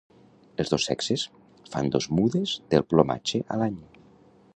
Els dos sexes fan dos mudes del plomatge a l'any.